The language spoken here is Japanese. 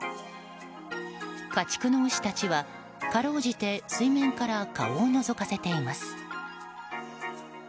家畜の牛たちは、かろうじて水面から顔をのぞかせています。